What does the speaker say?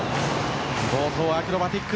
冒頭アクロバティック